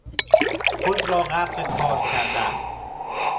خود را غرق کار کردن